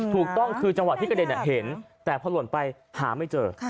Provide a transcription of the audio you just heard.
ถูกต้องคือจังหวะที่กระเด็นเห็นแต่พอหล่นไปหาไม่เจอ